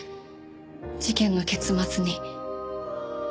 事件の結末に。